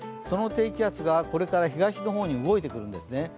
その低気圧が、これから東の方に動いてくるんですね。